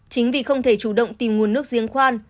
chính vì không thể chủ động tìm nguồn nước giếng khoan